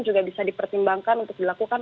juga bisa dipertimbangkan untuk dilakukan